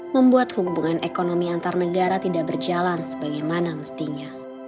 membuat hubungan ekonomi antar negara tidak berjalan sebagaimana mestinya